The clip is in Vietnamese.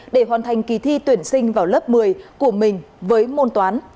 để hoàn thành kỳ thi tuyển sinh vào lớp một mươi của mình với môn toán